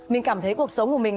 mình cảm thấy cuộc sống của mình